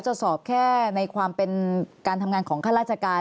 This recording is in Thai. จะสอบแค่ในความเป็นการทำงานของข้าราชการ